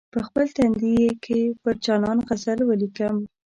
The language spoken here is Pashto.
په خپل تندي کې پر جانان غزل ولیکم.